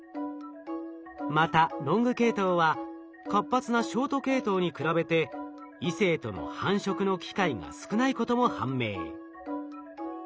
またロング系統は活発なショート系統に比べて異性との繁殖の機会が少ないことも判明。